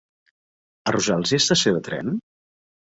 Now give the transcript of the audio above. A Rojals hi ha estació de tren?